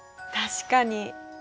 確かに。